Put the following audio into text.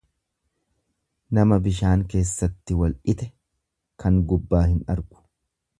Nama bishaan keessatti waldhite kan gubbaa hin argu.